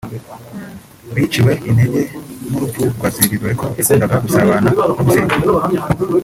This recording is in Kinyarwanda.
baciwe intege n’urupfu rwa Sylivie dore ko yakundaga gusabana no gusenga